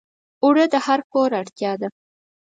اوړه د هر کور اړتیا ده